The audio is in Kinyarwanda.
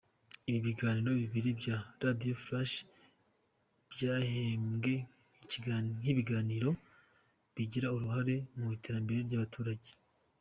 Ibi biganiro bibiri bya Radio Flash byahemwenk’ibiganiro bigira uruhare mu iterambere ry’abaturage.